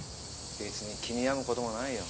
別に気に病む事もないよ。